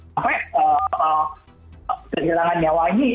sampai kehilangan nyawa ini